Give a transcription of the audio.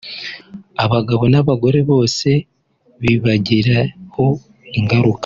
abagabo n’abagore bose bibagiraho ingaruka”